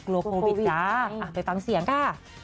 โลโควิดจ๊ะไปตังเสียงค่ะ